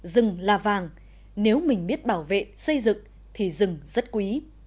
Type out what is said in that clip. rừng là vàng nếu mình biết bảo vệ xây dựng thì rừng rất quý